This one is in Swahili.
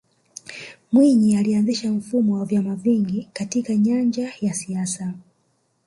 mwinyi alianzisha mfumo wa vyama vingi katika nyanja ya siasa